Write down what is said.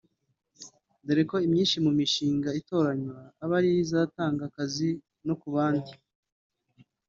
dore ko imyinshi mu mishinga itoranywa aba ari izatanga akazi no ku bandi